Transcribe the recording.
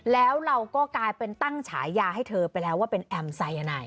แล้วเราก็กลายเป็นตั้งฉายาให้เธอไปแล้วว่าเป็นแอมไซยาไน